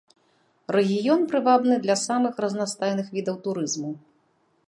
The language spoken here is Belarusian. Рэгіён прывабны для самых разнастайных відаў турызму.